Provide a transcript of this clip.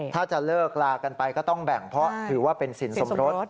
ถ้าจะเลิกลากันไปก็ต้องแบ่งเพราะถือว่าเป็นสินสมรส